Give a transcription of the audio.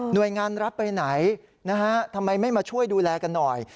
หน่วยงานรับไปไหนทำไมไม่มาช่วยดูแลกันหน่อย